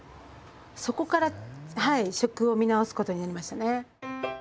そこからはい食を見直すことになりましたね。